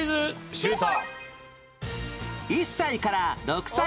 シュート！